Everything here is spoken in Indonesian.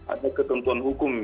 ada ketentuan hukum